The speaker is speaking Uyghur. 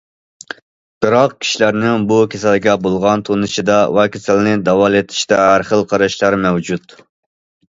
بىراق كىشىلەرنىڭ بۇ كېسەلگە بولغان تونۇشىدا ۋە كېسەلنى داۋالىتىشتا ھەر خىل قاراشلار مەۋجۇت.